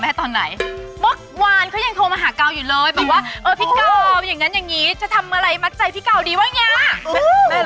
เพราะว่าเรามีเชฟคนใหม่